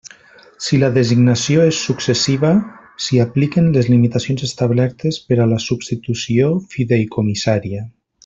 Si la designació és successiva, s'hi apliquen les limitacions establertes per a la substitució fideïcomissària.